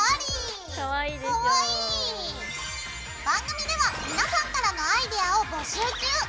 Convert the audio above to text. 番組では皆さんからのアイデアを募集中！